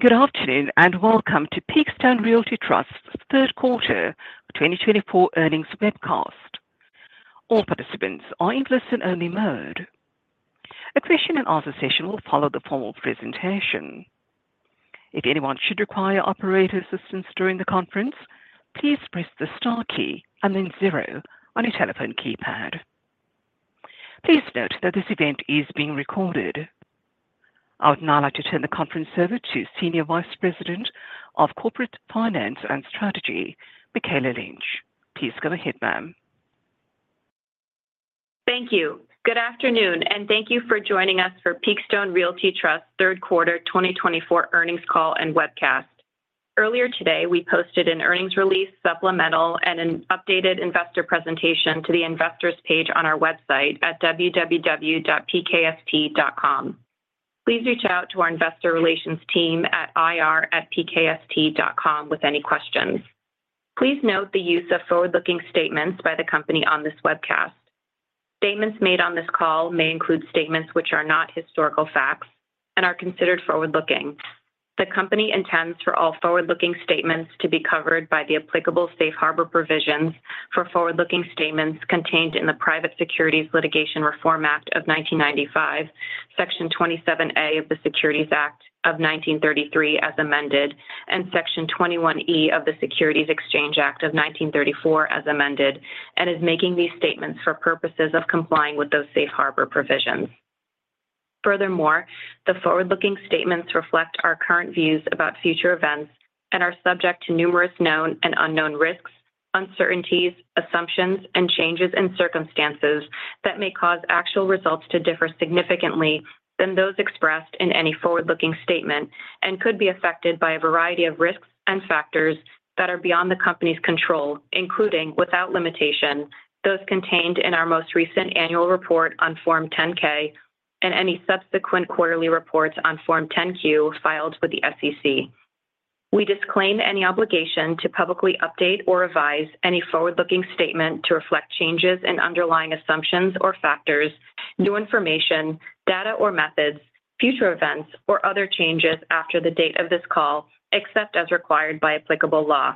Good afternoon and welcome to Peakstone Realty Trust's Q3 2024 Earnings Webcast. All participants are in listen-only mode. A question-and-answer session will follow the formal presentation. If anyone should require operator assistance during the conference, please press the star key and then zero on your telephone keypad. Please note that this event is being recorded. I would now like to turn the conference over to Senior Vice President of Corporate Finance and Strategy, Mikayla Lynch. Please go ahead, ma'am. Thank you. Good afternoon, and thank you for joining us for Peakstone Realty Trust's Q3 2024 Earnings Call and Webcast. Earlier today, we posted an earnings release, supplemental, and an updated investor presentation to the investors' page on our website at www.pkst.com. Please reach out to our investor relations team at ir@pkst.com with any questions. Please note the use of forward-looking statements by the company on this webcast. Statements made on this call may include statements which are not historical facts and are considered forward-looking. The company intends for all forward-looking statements to be covered by the applicable safe harbor provisions for forward-looking statements contained in the Private Securities Litigation Reform Act of 1995, Section 27A of the Securities Act of 1933 as amended, and Section 21E of the Securities Exchange Act of 1934 as amended, and is making these statements for purposes of complying with those safe harbor provisions. Furthermore, the forward-looking statements reflect our current views about future events and are subject to numerous known and unknown risks, uncertainties, assumptions, and changes in circumstances that may cause actual results to differ significantly than those expressed in any forward-looking statement and could be affected by a variety of risks and factors that are beyond the company's control, including, without limitation, those contained in our most recent annual report on Form 10-K and any subsequent quarterly reports on Form 10-Q filed with the SEC. We disclaim any obligation to publicly update or revise any forward-looking statement to reflect changes in underlying assumptions or factors, new information, data or methods, future events, or other changes after the date of this call, except as required by applicable law.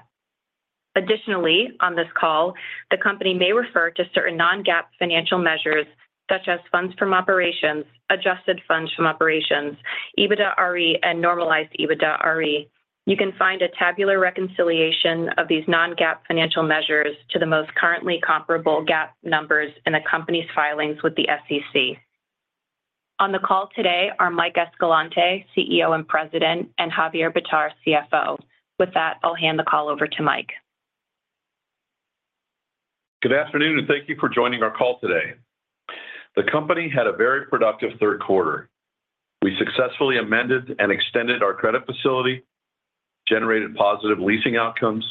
Additionally, on this call, the company may refer to certain non-GAAP financial measures such as funds from operations, adjusted funds from operations, EBITDAre, and normalized EBITDAre. You can find a tabular reconciliation of these non-GAAP financial measures to the most directly comparable GAAP numbers in the company's filings with the SEC. On the call today are Mike Escalante, CEO and President, and Javier Bitar, CFO. With that, I'll hand the call over to Mike. Good afternoon, and thank you for joining our call today. The company had a very productive Q3. We successfully amended and extended our credit facility, generated positive leasing outcomes,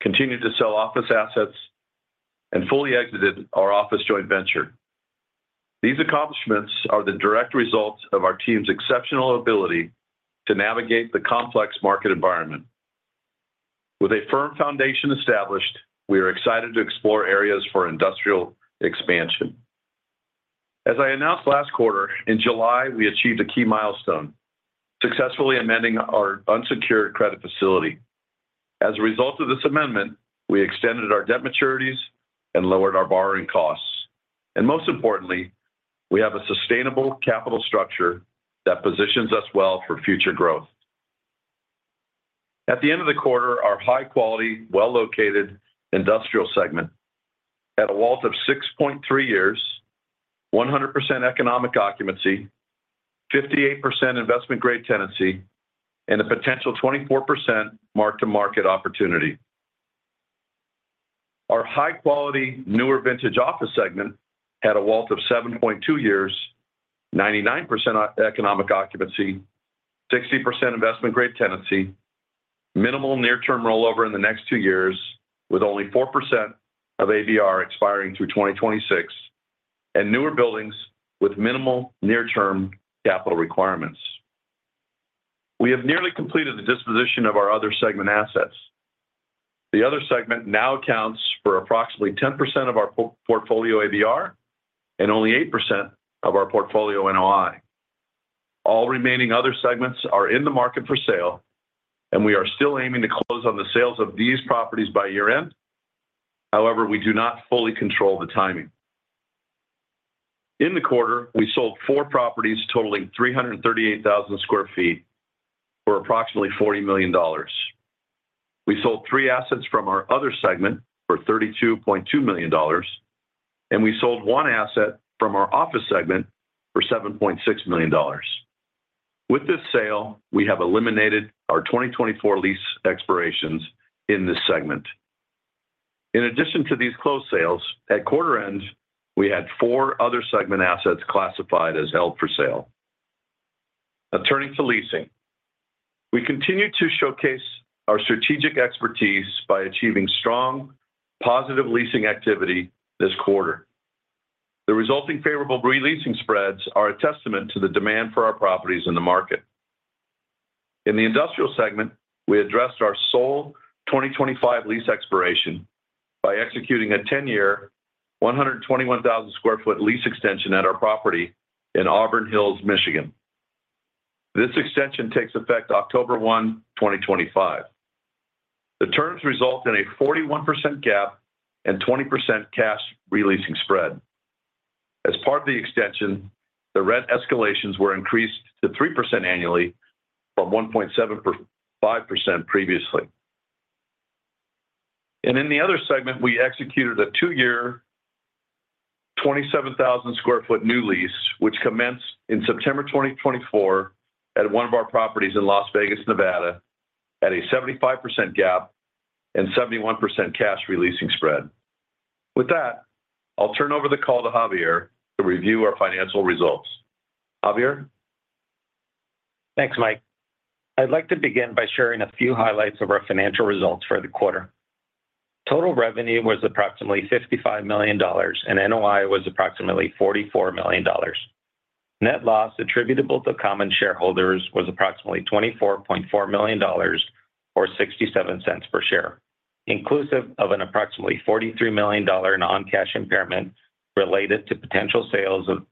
continued to sell office assets, and fully exited our office joint venture. These accomplishments are the direct results of our team's exceptional ability to navigate the complex market environment. With a firm foundation established, we are excited to explore areas for industrial expansion. As I announced last quarter, in July, we achieved a key milestone: successfully amending our unsecured credit facility. As a result of this amendment, we extended our debt maturities and lowered our borrowing costs, and most importantly, we have a sustainable capital structure that positions us well for future growth. At the end of the quarter, our high-quality, well-located industrial segment had a WALT of 6.3 years, 100% economic occupancy, 58% investment-grade tenancy, and a potential 24% mark-to-market opportunity. Our high-quality, newer vintage office segment had a WALT of 7.2 years, 99% economic occupancy, 60% investment-grade tenancy, minimal near-term rollover in the next two years, with only 4% of ABR expiring through 2026, and newer buildings with minimal near-term capital requirements. We have nearly completed the disposition of our other segment assets. The other segment now accounts for approximately 10% of our portfolio ABR and only 8% of our portfolio NOI. All remaining other segments are in the market for sale, and we are still aiming to close on the sales of these properties by year-end. However, we do not fully control the timing. In the quarter, we sold four properties totaling 338,000 sq ft for approximately $40 million. We sold three assets from our other segment for $32.2 million, and we sold one asset from our office segment for $7.6 million. With this sale, we have eliminated our 2024 lease expirations in this segment. In addition to these closed sales, at quarter-end, we had four other segment assets classified as held for sale. Now, turning to leasing, we continue to showcase our strategic expertise by achieving strong, positive leasing activity this quarter. The resulting favorable pre-leasing spreads are a testament to the demand for our properties in the market. In the industrial segment, we addressed our sole 2025 lease expiration by executing a 10-year, 121,000 sq ft lease extension at our property in Auburn Hills, Michigan. This extension takes effect October 1, 2025. The terms result in a 41% GAAP and 20% cash pre-leasing spread. As part of the extension, the rent escalations were increased to 3% annually from 1.75% previously. In the other segment, we executed a two-year, 27,000 sq ft new lease, which commenced in September 2024 at one of our properties in Las Vegas, Nevada, at a 75% GAAP and 71% cash pre-leasing spread. With that, I'll turn over the call to Javier to review our financial results. Javier? Thanks, Mike. I'd like to begin by sharing a few highlights of our financial results for the quarter. Total revenue was approximately $55 million, and NOI was approximately $44 million. Net loss attributable to common shareholders was approximately $24.4 million or $0.67 per share, inclusive of an approximately $43 million in non-cash impairment related to potential sales of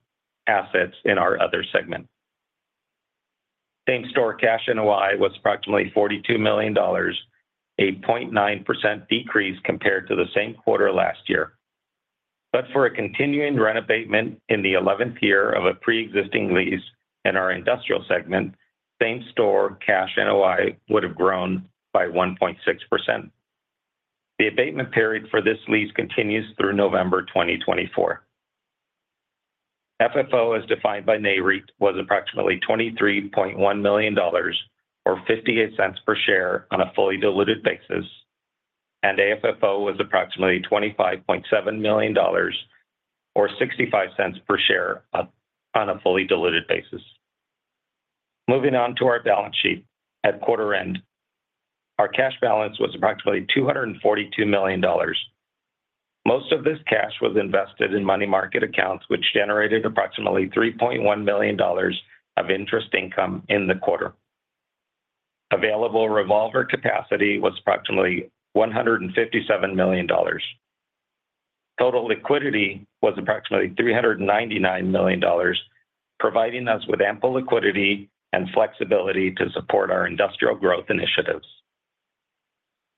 assets in our other segment. Same-store cash NOI was approximately $42 million, a 0.9% decrease compared to the same quarter last year. But for a continuing rent abatement in the 11th year of a pre-existing lease in our industrial segment, same-store cash NOI would have grown by 1.6%. The abatement period for this lease continues through November 2024. FFO, as defined by NAREIT, was approximately $23.1 million or $0.58 per share on a fully diluted basis, and AFFO was approximately $25.7 million or $0.65 per share on a fully diluted basis. Moving on to our balance sheet at quarter-end, our cash balance was approximately $242 million. Most of this cash was invested in money market accounts, which generated approximately $3.1 million of interest income in the quarter. Available revolver capacity was approximately $157 million. Total liquidity was approximately $399 million, providing us with ample liquidity and flexibility to support our industrial growth initiatives.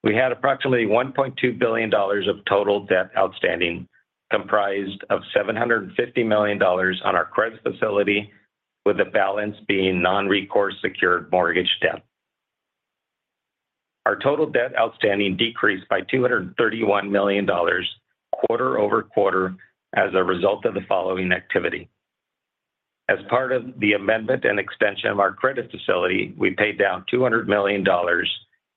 We had approximately $1.2 billion of total debt outstanding, comprised of $750 million on our credit facility, with the balance being non-recourse secured mortgage debt. Our total debt outstanding decreased by $231 million quarter-over-quarter as a result of the following activity. As part of the amendment and extension of our credit facility, we paid down $200 million,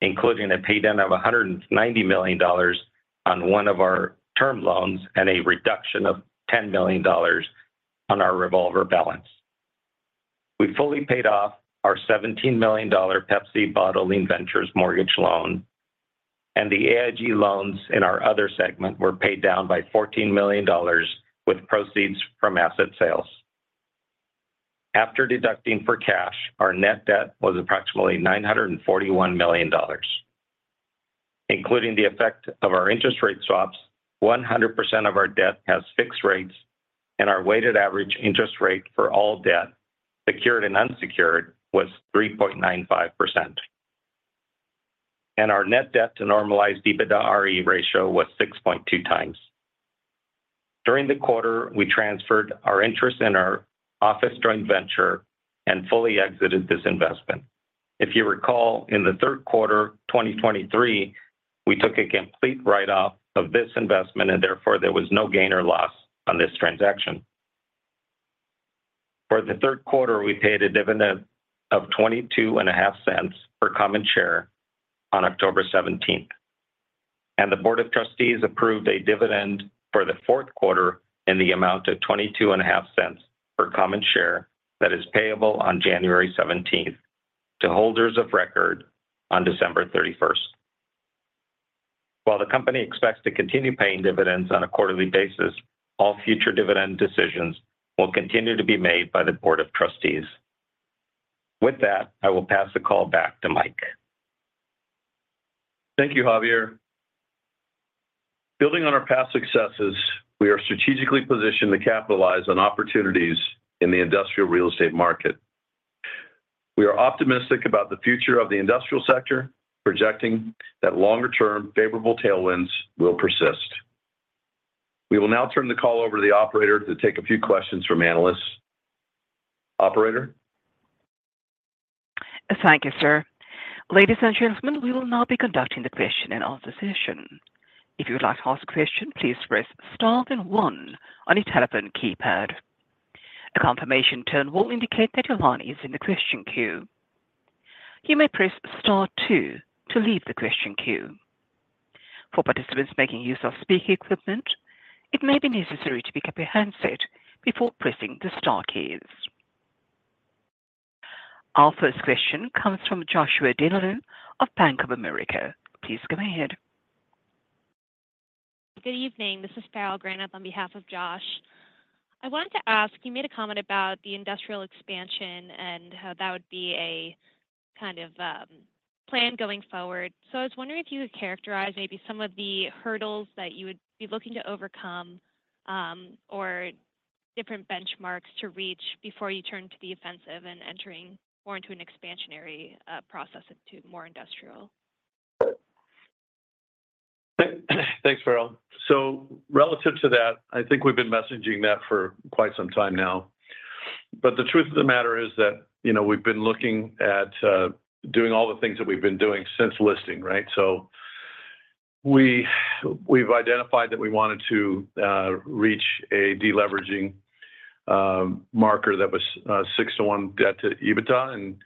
including a paydown of $190 million on one of our term loans and a reduction of $10 million on our revolver balance. We fully paid off our $17 million Pepsi Bottling Ventures mortgage loan, and the AIG loans in our other segment were paid down by $14 million with proceeds from asset sales. After deducting for cash, our net debt was approximately $941 million. Including the effect of our interest rate swaps, 100% of our debt has fixed rates, and our weighted average interest rate for all debt, secured and unsecured, was 3.95%, and our net debt to Normalized EBITDAre ratio was 6.2 times. During the quarter, we transferred our interest in our office joint venture and fully exited this investment. If you recall, in the Q3 2023, we took a complete write-off of this investment, and therefore there was no gain or loss on this transaction. For the Q3, we paid a dividend of $0.225 per common share on October 17th, and the Board of Trustees approved a dividend for the Q4 in the amount of $0.225 per common share that is payable on January 17th to holders of record on December 31st. While the company expects to continue paying dividends on a quarterly basis, all future dividend decisions will continue to be made by the Board of Trustees. With that, I will pass the call back to Mike. Thank you, Javier. Building on our past successes, we are strategically positioned to capitalize on opportunities in the industrial real estate market. We are optimistic about the future of the industrial sector, projecting that longer-term favorable tailwinds will persist. We will now turn the call over to the operator to take a few questions from analysts. Operator? Thank you, sir. Ladies and gentlemen, we will now be conducting the question-and-answer session. If you would like to ask a question, please press star and 1 on your telephone keypad. A confirmation tone will indicate that your line is in the question queue. You may press star 2 to leave the question queue. For participants making use of speaker equipment, it may be necessary to pick up your handset before pressing the star keys. Our first question comes from Joshua Dennerlein of Bank of America. Please go ahead. Good evening. This is Farrell Granath on behalf of Josh. I wanted to ask, you made a comment about the industrial expansion and how that would be a kind of plan going forward. So I was wondering if you could characterize maybe some of the hurdles that you would be looking to overcome or different benchmarks to reach before you turn to the offensive and entering more into an expansionary process into more industrial. Thanks, Farrell. So relative to that, I think we've been messaging that for quite some time now. But the truth of the matter is that we've been looking at doing all the things that we've been doing since listing, right? So we've identified that we wanted to reach a deleveraging marker that was 6:1 debt to EBITDA, and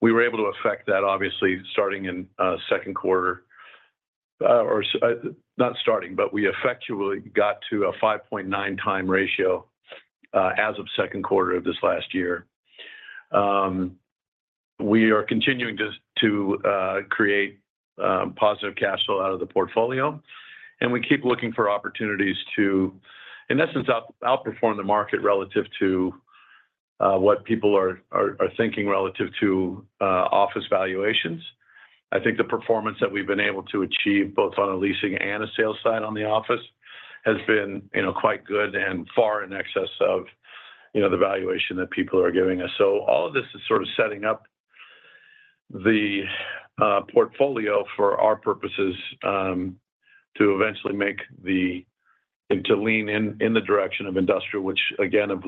we were able to affect that, obviously, starting in Q2. Or not starting, but we effectively got to a 5.9 time ratio as of Q2 of this last year. We are continuing to create positive cash flow out of the portfolio, and we keep looking for opportunities to, in essence, outperform the market relative to what people are thinking relative to office valuations. I think the performance that we've been able to achieve, both on a leasing and a sales side on the office, has been quite good and far in excess of the valuation that people are giving us. So all of this is sort of setting up the portfolio for our purposes to eventually make the lean in the direction of industrial, which, again, as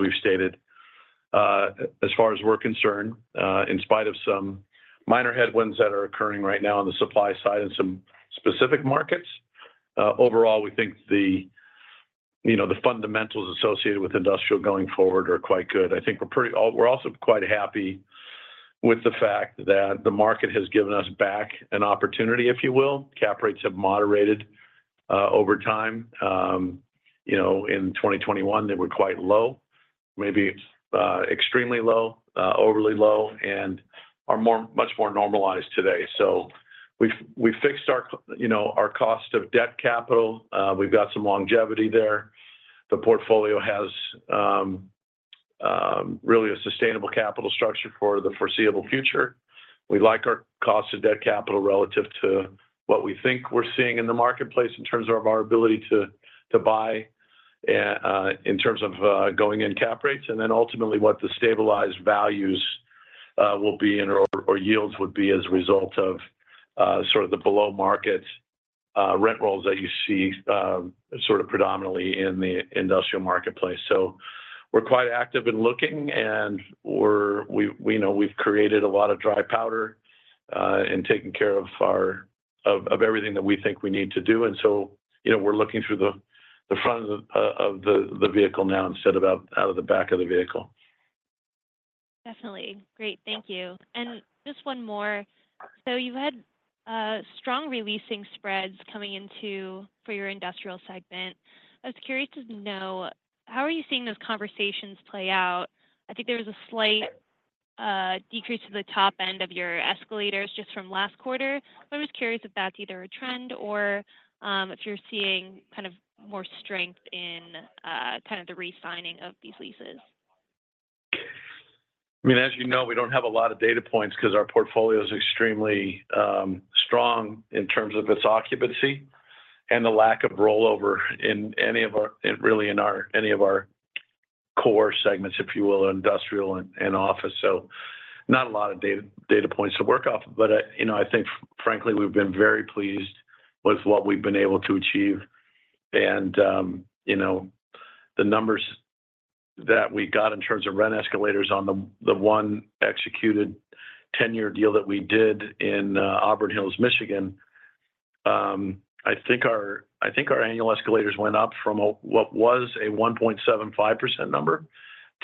we've stated, as far as we're concerned, in spite of some minor headwinds that are occurring right now on the supply side and some specific markets, overall, we think the fundamentals associated with industrial going forward are quite good. I think we're also quite happy with the fact that the market has given us back an opportunity, if you will. Cap rates have moderated over time. In 2021, they were quite low, maybe extremely low, overly low, and are much more normalized today. We've fixed our cost of debt capital. We've got some longevity there. The portfolio has really a sustainable capital structure for the foreseeable future. We like our cost of debt capital relative to what we think we're seeing in the marketplace in terms of our ability to buy in terms of going in cap rates. Then ultimately, what the stabilized values will be or yields would be as a result of sort of the below-market rent rolls that you see sort of predominantly in the industrial marketplace. We're quite active in looking, and we've created a lot of dry powder in taking care of everything that we think we need to do. We're looking through the front of the vehicle now instead of out of the back of the vehicle. Definitely. Great. Thank you. And just one more. So you've had strong re-leasing spreads coming into for your industrial segment. I was curious to know, how are you seeing those conversations play out? I think there was a slight decrease to the top end of your escalators just from last quarter. I was curious if that's either a trend or if you're seeing kind of more strength in kind of the re-signing of these leases. I mean, as you know, we don't have a lot of data points because our portfolio is extremely strong in terms of its occupancy and the lack of rollover in any of our core segments, really, if you will, industrial and office. So not a lot of data points to work off. But I think, frankly, we've been very pleased with what we've been able to achieve. And the numbers that we got in terms of rent escalators on the one executed 10-year deal that we did in Auburn Hills, Michigan, I think our annual escalators went up from what was a 1.75% number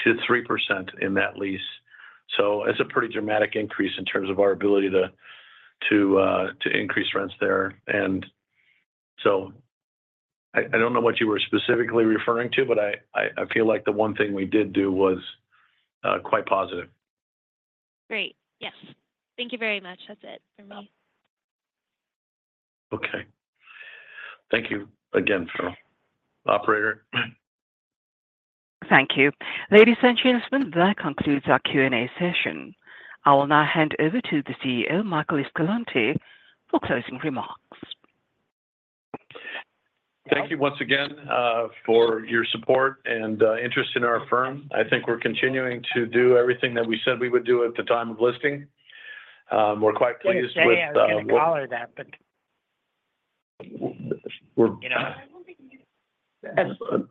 to 3% in that lease. So it's a pretty dramatic increase in terms of our ability to increase rents there. And so I don't know what you were specifically referring to, but I feel like the one thing we did do was quite positive. Great. Yes. Thank you very much. That's it for me. Okay. Thank you again, Farrell. Operator. Thank you. Ladies and gentlemen, that concludes our Q&A session. I will now hand over to the CEO, Michael Escalante, for closing remarks. Thank you once again for your support and interest in our firm. I think we're continuing to do everything that we said we would do at the time of listing. We're quite pleased with. I didn't even allow that, but.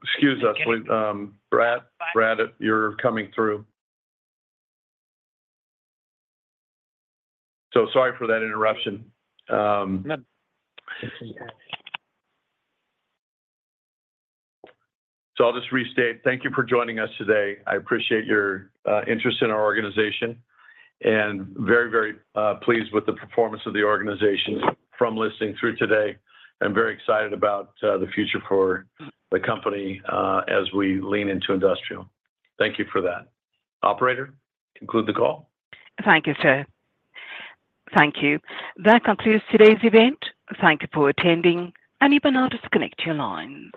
Excuse us. Brad, you're coming through. So sorry for that interruption. So I'll just restate. Thank you for joining us today. I appreciate your interest in our organization and very, very pleased with the performance of the organization from listing through today. I'm very excited about the future for the company as we lean into industrial. Thank you for that. Operator, conclude the call. Thank you, sir. Thank you. That concludes today's event. Thank you for attending and you may now disconnest your line.